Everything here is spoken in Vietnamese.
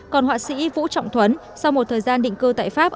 còn họa sĩ vũ trọng thuấn sau một thời gian định cư tại pháp